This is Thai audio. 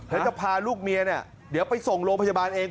แล้วจะพาลูกเมียเนี่ยเดี๋ยวไปส่งโรงพยาบาลเอง